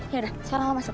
yaudah sekarang lo masuk